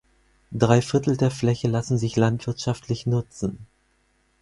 Dreiviertel der Fläche lassen sich landwirtschaftlich nutzen.